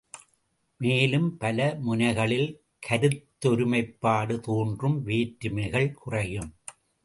மேலும் பல முனைகளில் கருத்தொருமைப்பாடு தோன்றும் வேற்றுமைகள் குறையும்.